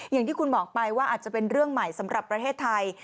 อย่างที่คุณบอกไปว่าอาจจะเป็นเรื่องใหม่สำหรับประเทศไทย